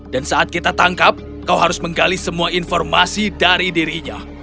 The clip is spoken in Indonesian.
dan saat kita tangkap kau harus menggali semua informasi dari dirinya